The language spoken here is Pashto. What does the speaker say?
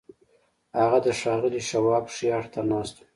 هغه د ښاغلي شواب ښي اړخ ته ناست و.